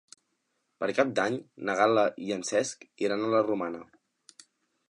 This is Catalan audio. Per Cap d'Any na Gal·la i en Cesc iran a la Romana.